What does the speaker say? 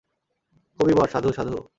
কবিবর, সাধু সাধু।